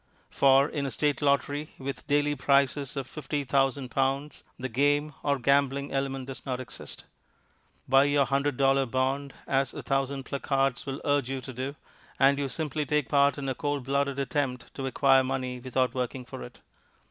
For in a State lottery with daily prizes of £50,000 the game (or gambling) element does not exist. Buy your £100 bond, as a thousand placards will urge you to do, and you simply take part in a cold blooded attempt to acquire money without working for it.